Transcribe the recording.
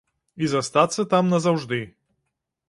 І застацца там назаўжды.